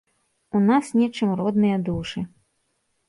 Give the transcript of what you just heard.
У нас нечым родныя душы.